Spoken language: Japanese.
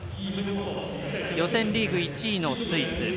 予選リーグ１位のスイス。